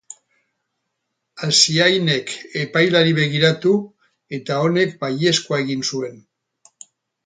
Asiainek epaileari begiratu, eta honek baiezkoa egin zuen.